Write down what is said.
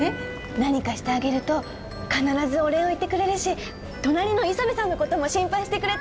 何かしてあげると必ずお礼を言ってくれるし隣の磯部さんの事も心配してくれて。